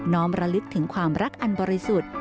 ้อมระลึกถึงความรักอันบริสุทธิ์